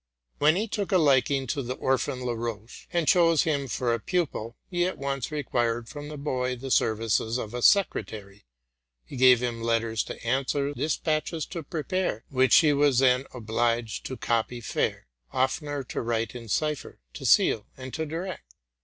When he took a liking to the orphan Laroche, and chose him for a pupil, he at once required from the boy the services of a secretary. He gave him iet ters to answer, despatches to prepare, which he was then obliged to copy fair, oftener to write in cipher, to seal, and to direct.